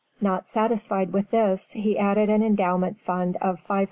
Not satisfied with this he has added an endowment fund of $500,000.